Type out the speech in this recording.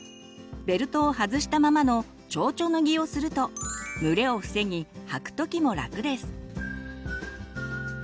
ベルトを外したままの「ちょうちょ脱ぎ」をすると蒸れを防ぎ履く時も楽です。